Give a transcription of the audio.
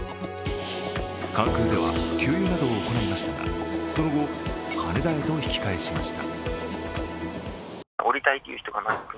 関空では給油などを行いましたが、その後、羽田へと引き返しました。